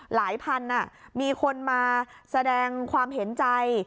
หลายพันมีคนมาแสดงความเห็นใจ